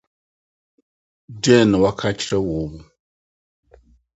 Dɛn na woaka akyerɛ wɔn?